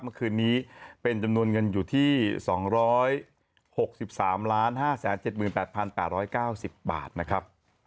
เมื่อคืนนี้เป็นจำนวนเงินอยู่ที่๒๖๓๕๗๘๘๙๐บาทนะครับ